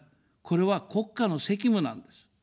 これは国家の責務なんです。